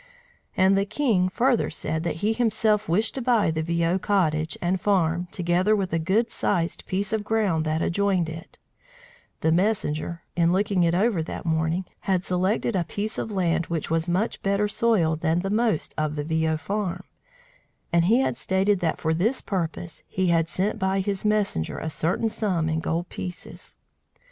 And the king further said that he himself wished to buy the Viaud cottage and farm, together with a good sized piece of ground that adjoined it (the messenger, in looking it over that morning, had selected a piece of land which was much better soil than the most of the Viaud farm), and he stated that for this purpose he had sent by his messenger a certain sum in gold pieces.